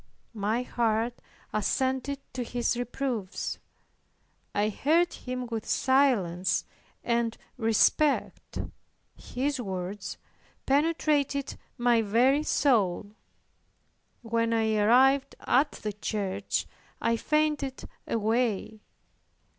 My heart assented to his reproofs. I heard him with silence and respect, his words penetrated my very soul. When I arrived at the church I fainted away.